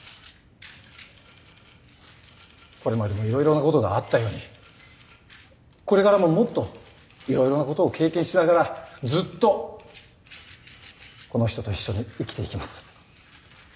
これまでも色々なことがあったようにこれからももっと色々なことを経験しながらずっとこの人と一緒に生きていきます。